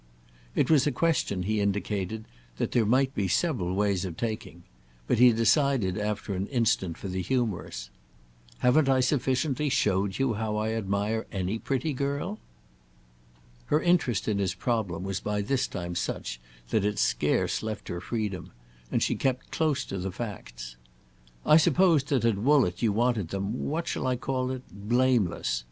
It was a question, he indicated, that there might be several ways of taking; but he decided after an instant for the humorous. "Haven't I sufficiently showed you how I admire any pretty girl?" Her interest in his problem was by this time such that it scarce left her freedom, and she kept close to the facts. "I supposed that at Woollett you wanted them—what shall I call it?—blameless.